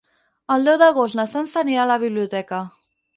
El deu d'agost na Sança anirà a la biblioteca.